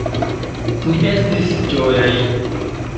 Ni estis ĝojaj.